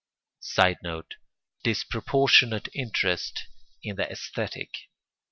[Sidenote: Disproportionate interest in the æsthetic.